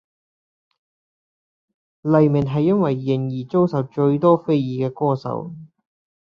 黎明是因為“帥”而遭最多非議的歌手